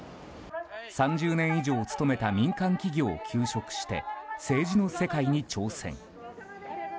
３０年以上勤めた民間企業を休職して政治の世界に挑戦。